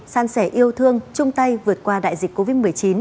san sẻ yêu thương chung tay vượt qua đại dịch covid một mươi chín